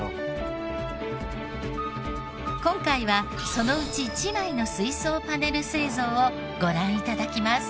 今回はそのうち１枚の水槽パネル製造をご覧頂きます。